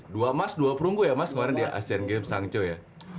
dua emas dua perunggu ya mas kemarin di asean games hangzhou ya